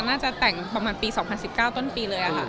น่าจะแต่งประมาณปี๒๐๑๙ต้นปีเลยค่ะ